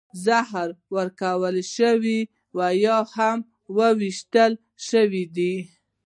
زهر ورکړل شوي او یا هم ویشتل شوي دي